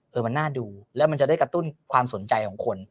เออมันน่าดูแล้วมันจะได้กระตุ้นความสนใจของคน